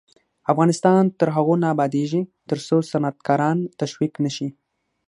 افغانستان تر هغو نه ابادیږي، ترڅو صنعتکاران تشویق نشي.